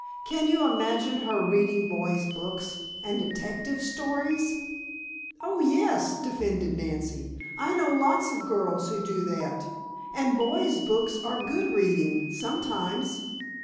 "Can you imagine her reading boys' books? And detective stories?" "Oh, yes," defended Nancy, "I know lots of girls who do that. And boys' books are good reading, sometimes."